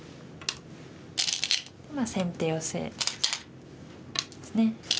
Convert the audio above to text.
まあ先手ヨセですね。